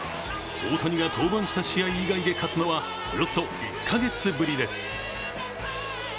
大谷が登板した試合以外で勝つのは、およそ１カ月ぶりです。